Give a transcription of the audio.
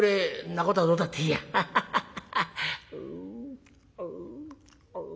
んなことはどうだっていいや。ハハハ」。